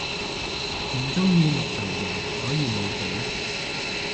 唔鍾意綠豆蓉所以無整